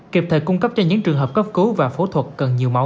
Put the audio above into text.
kịp thời cung cấp cho những trường hợp cấp cứu và phẫu thuật cần nhiều máu